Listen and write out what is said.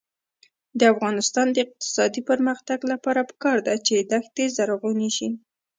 د افغانستان د اقتصادي پرمختګ لپاره پکار ده چې دښتي زرغونې شي.